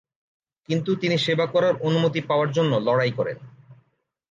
কিন্তু তিনি সেবা করার অনুমতি পাওয়ার জন্য লড়াই করেন।